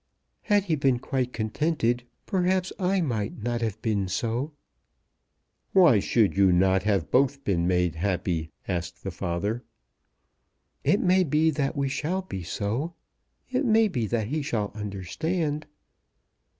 Had he been quite contented perhaps I might not have been so." "Why should you not have both been made happy?" asked the father. "It may be that we shall be so. It may be that he shall understand."